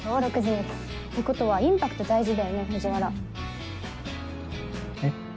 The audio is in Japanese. ことはインパクト大事だよね藤原。え？